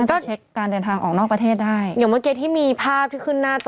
จะเช็คการเดินทางออกนอกประเทศได้อย่างเมื่อกี้ที่มีภาพที่ขึ้นหน้าจอ